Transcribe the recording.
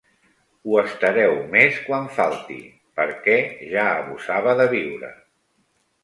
Ho estareu més quan falti perquè ja abusava de viure.